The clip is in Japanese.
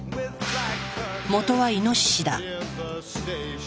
もとはイノシシだ。